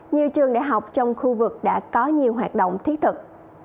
nhiều trường đại học trong khu vực đã có nhiều hoạt động thiết thực